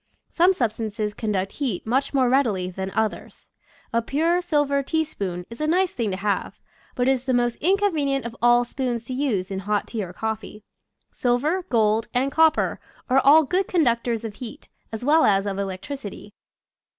Some sub stances conduct heat much more readily than others. A pure silver teaspoon is a nice thing to have, but it is the most inconvenient of all spoons to use in hot tea or coffee. Silver, gold, and copper are all good conductors of heat, as well as of electricity.